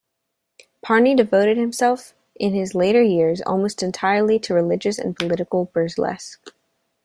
Parny devoted himself in his later years almost entirely to religious and political burlesque.